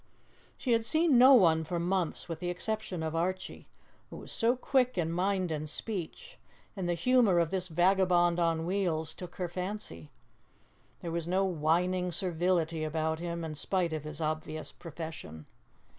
She had seen no one for months, with the exception of Archie, who was so quick in mind and speech, and the humour of this vagabond on wheels took her fancy. There was no whining servility about him, in spite of his obvious profession.